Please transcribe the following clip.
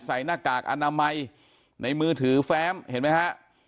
หน้ากากอนามัยในมือถือแฟ้มเห็นไหมฮะ